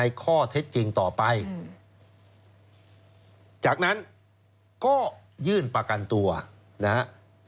ข้อเท็จจริงต่อไปจากนั้นก็ยื่นประกันตัวนะฮะ